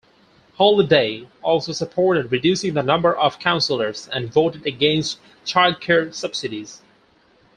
Holyday also supported reducing the number of councillors, and voted against childcare subsidies.